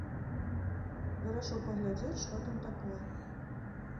Вырашыў паглядзець, што там такое.